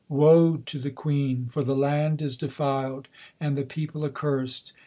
Woe to the queen; for the land is defiled, and the people accursed.